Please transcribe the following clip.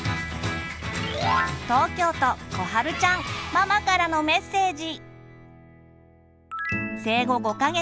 ママからのメッセージ。